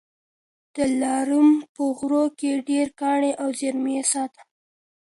د دلارام په غرو کي ډېر کاڼي او زېرمې سته.